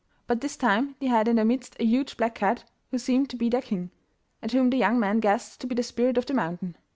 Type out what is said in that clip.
But this time they had in their midst a huge black cat who seemed to be their king, and whom the young man guessed to be the Spirit of the Mountain.